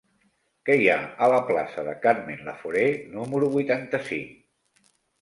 Què hi ha a la plaça de Carmen Laforet número vuitanta-cinc?